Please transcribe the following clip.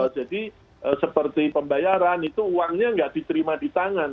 jadi seperti pembayaran itu uangnya nggak diterima di tangan